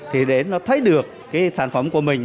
thì để nó thấy được cái sản phẩm của mình